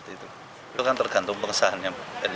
itu kan tergantung pengesahannya